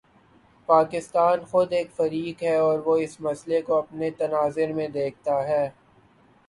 پاکستان خود ایک فریق ہے اور وہ اس مسئلے کو اپنے تناظر میں دیکھتا ہے۔